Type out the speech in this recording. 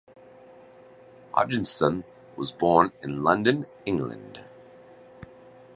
Hodgson was born in London, England.